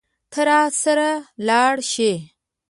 ته راسره لاړ شې.